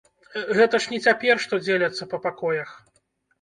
Гэта ж не цяпер, што дзеляцца па пакоях.